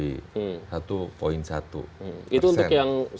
itu untuk yang skorpion